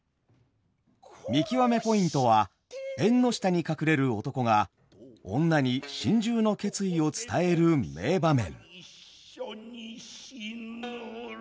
見きわめポイントは縁の下に隠れる男が女に心中の決意を伝える名場面。